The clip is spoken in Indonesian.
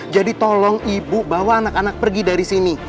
jadi tolong ibu bawa anak anak pergi dari sini